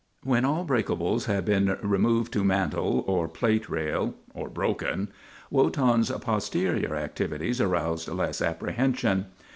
When all breakables had been removed to mantel or plate rail or broken Wotan's posterior activities aroused less apprehension.